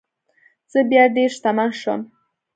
زه بیا ډیر شتمن شوم.